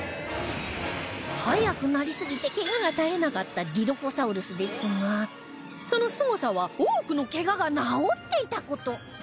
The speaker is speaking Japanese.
速くなりすぎてケガが絶えなかったディロフォサウルスですがそのすごさは多くのケガが治っていた事